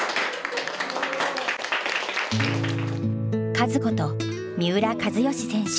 カズこと三浦知良選手。